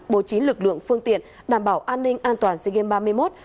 bố trí lực lượng phương tiện đảm bảo an ninh an toàn sea games ba mươi một